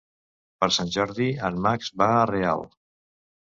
Per Sant Jordi en Max va a Real.